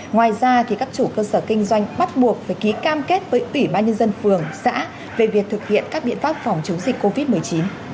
ngoài ra các chủ cơ sở kinh doanh bắt buộc phải ký cam kết với ủy ban nhân dân phường xã về việc thực hiện các biện pháp phòng chống dịch covid một mươi chín